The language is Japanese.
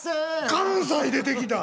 関西出てきた。